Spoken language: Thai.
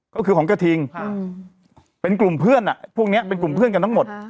ก็คือของกระทิงเป็นกลุ่มเพื่อนพวกนี้เป็นกลุ่มเพื่อนกันทั้งหมด